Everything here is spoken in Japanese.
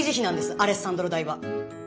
アレッサンドロ代は。